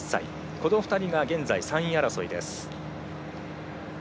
この２人が現在３位争い。